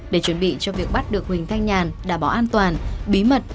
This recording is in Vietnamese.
để chuẩn bị cho việc bắt được huỳnh thanh nhàn đảm bảo an toàn bí mật